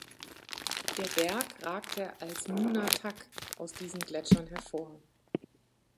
Der Berg ragte als Nunatak aus diesen Gletschern hervor.